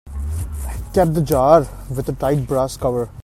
Cap the jar with a tight brass cover.